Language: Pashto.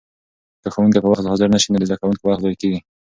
که ښوونکي په وخت حاضر نه شي نو د زده کوونکو وخت ضایع کېږي.